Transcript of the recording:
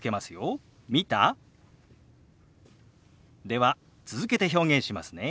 では続けて表現しますね。